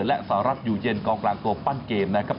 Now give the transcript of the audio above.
และสหรัฐอยู่เย็นกองกลางตัวปั้นเกมนะครับ